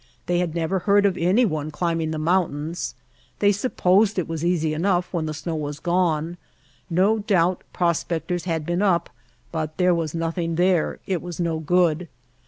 They had never heard of any one climbing the mountains. They supposed it was easy enough when the snow was gone. No doubt prospectors had been up, but there was nothing there, it was no good.